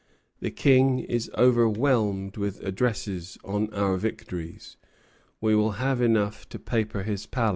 The King is overwhelmed with addresses on our victories; he will have enough to paper his palace."